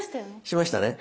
しましたね？